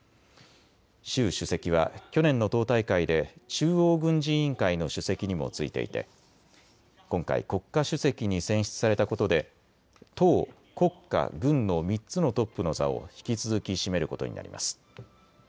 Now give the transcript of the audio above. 習主席は去年の党大会で中央軍事委員会の主席にも就いていて今回、国家主席に選出されたことで党、国家、軍の３つのトップの座を引き続き占めることになります。